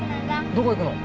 どこ行くの？